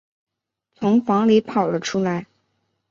从房里跑了出来